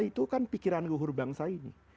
itu kan pikiran luhur bangsa ini